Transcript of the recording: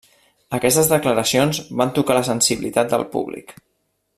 Aquestes declaracions van tocar la sensibilitat del públic.